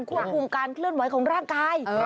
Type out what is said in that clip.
ควบคุมการเคลื่อนไหวของร่างกาย